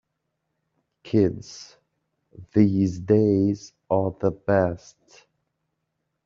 Kids these days are the best.